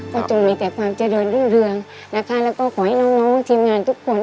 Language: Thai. ก็จงมีแต่ความเจริญรุ่งเรืองนะคะแล้วก็ขอให้น้องน้องทีมงานทุกคน